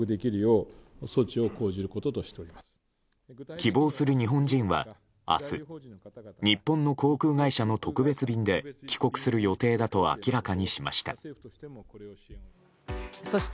希望する日本人は明日日本の航空会社の特別便で帰国する予定だと明らかにしました。